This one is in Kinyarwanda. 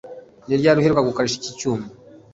Ni ryari uheruka gukarisha iki cyuma